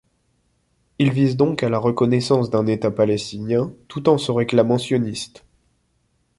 Il vise donc à la reconnaissance d'un État palestinien, tout en se réclamant sioniste.